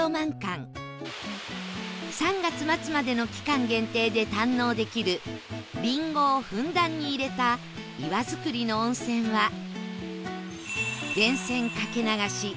３月末までの期間限定で堪能できるりんごをふんだんに入れた岩造りの温泉は